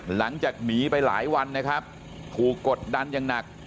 หลังจากหนีไปหลายวันนะครับถูกกดดันอย่างหนัก